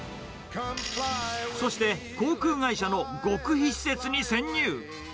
そして、航空会社の極秘施設に潜入。